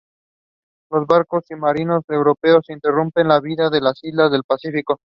Los barcos y marineros europeos interrumpieron la vida en las islas del Pacífico.